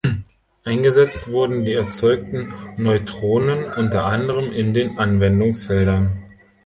Eingesetzt wurden die erzeugten Neutronen unter anderem in den Anwendungsfeldern